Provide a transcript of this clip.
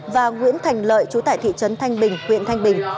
và nguyễn thành lợi chú tại thị trấn thanh bình huyện thanh bình